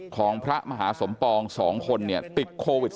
ของพระมหาสมปอง๒คนติดโควิด๑